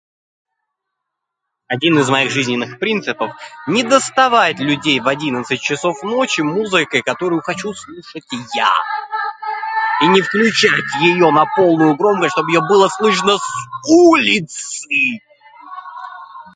Один из моих жизненных принципов - не доставать людей в одиннадцать часов ночи музыкой, которую хочу слушать я. И не включать её на полную громкость, чтобы её было слышно с УЛИЦЫЫЫ!